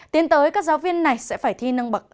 tiến tới các giáo viên này sẽ phải thi nâng bậc